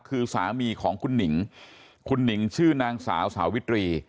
คือสามีของคุณหนิงคุณหนิงชื่อนางสาวสาวิตรี